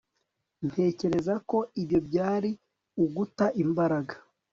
Ntekereza ko ibyo byari uguta imbaraga